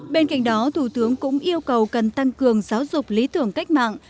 bên cạnh đó thủ tướng cũng yêu cầu cần tăng cường giáo dục lý tưởng cách mạng